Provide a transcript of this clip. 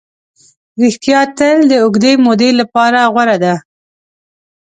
ریښتیا تل د اوږدې مودې لپاره غوره ده.